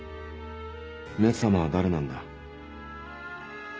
「め様」は誰なんだ？